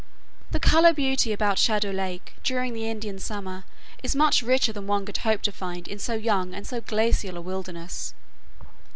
The color beauty about Shadow Lake during the Indian summer is much richer than one could hope to find in so young and so glacial a wilderness.